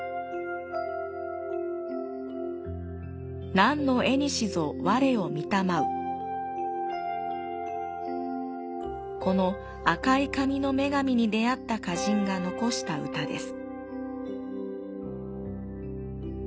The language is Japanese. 「何の縁ぞ我を見たまう」この赤い髪の女神に出会った歌人が残した歌です。